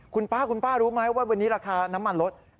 คุณป้าคุณป้ารู้ไหมว่าวันนี้ราคาน้ำมันลด